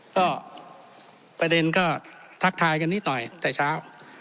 ก็ประเด็นก็ทักทายกันนิดหน่อยแต่เช้า